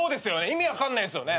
意味分かんないですよね。